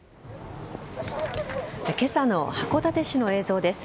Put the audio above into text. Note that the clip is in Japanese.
今朝の函館市の映像です。